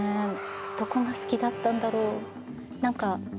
どこが好きだったんだろう。